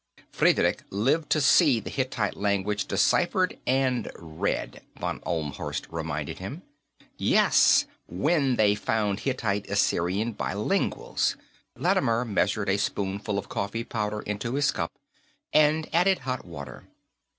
'" "Friedrich lived to see the Hittite language deciphered and read," von Ohlmhorst reminded him. "Yes, when they found Hittite Assyrian bilinguals." Lattimer measured a spoonful of coffee powder into his cup and added hot water.